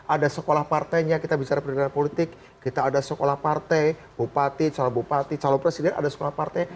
ada sekolah partainya kita bicara pendidikan politik kita ada sekolah partai bupati calon bupati calon presiden ada sekolah partai